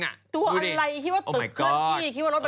ตัวอะไรคิดว่าตึกเคลื่อนที่คิดว่ารถ